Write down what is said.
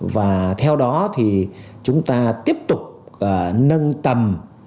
và theo đó thì chúng ta tiếp tục nâng tầm